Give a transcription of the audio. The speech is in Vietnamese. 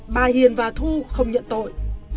bà hiền và thu không nhận tội